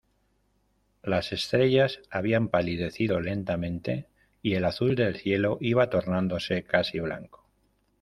las estrellas habían palidecido lentamente, y el azul del cielo iba tornándose casi blanco.